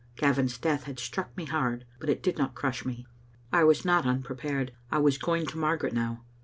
Gavin's death had struck me hard, but it did not crush me. I was not unprepared. I was going to Margaret now.